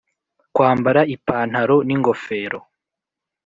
kwambara ipantaro n'ingofero